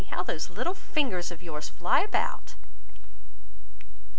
how those little fingers of yours fly about!"